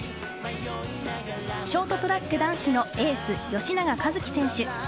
ショートトラック男子のエース、吉永一貴選手。